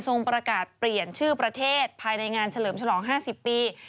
ประกาศเปลี่ยนชื่อประเทศภายในงานเฉลิมฉลอง๕๐ปี